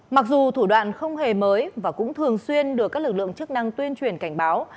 mặc dù thủ đoạn không hề mới và cũng thường xuyên được các lực lượng chức năng tuyên truyền cảnh báo